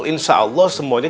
insya allah semuanya